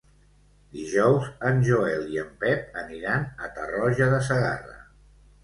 Dijous en Joel i en Pep aniran a Tarroja de Segarra.